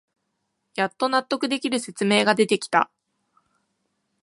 やっと納得できる説明が出てきた